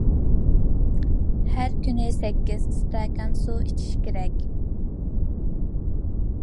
ھەر كۈنى سەككىز ئىستاكان سۇ ئېچىش كېرەك.